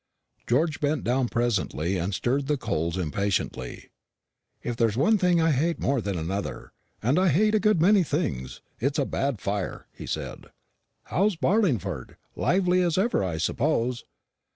George bent down presently and stirred the coals impatiently. "If there's one thing I hate more than, another and I hate a good many things it's a bad fire," he said. "How's Barlingford lively as ever, I suppose?"